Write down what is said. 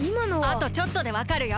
あとちょっとでわかるよ。